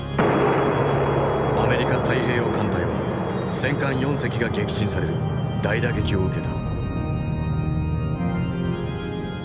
アメリカ太平洋艦隊は戦艦４隻が撃沈される大打撃を受けた。